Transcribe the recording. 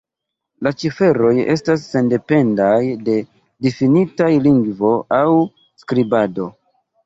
La ciferoj estas sendependaj de difinita lingvo aŭ skribado.